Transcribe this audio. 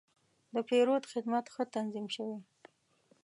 د پیرود خدمت ښه تنظیم شوی و.